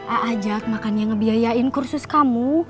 a'ajat makanya ngebiayain kursus kamu